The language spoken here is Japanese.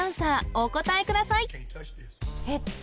お答えくださいえっと